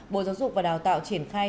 bộ giáo dục và đào tạo triển khai